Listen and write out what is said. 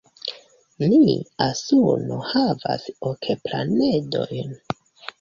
Nia suno havas ok planedojn.